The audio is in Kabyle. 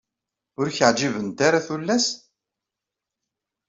Ur k-ɛǧibent ara tullas?